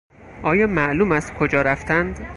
آیا معلوم است کجا رفتند؟